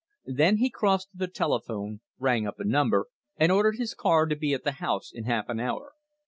Then he crossed to the telephone, rang up a number, and ordered his car to be at the house in half an hour.